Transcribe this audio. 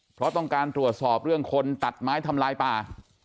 เพราะต้องการตรวจสอบเรื่องคนตัดไม้ทำลายป่า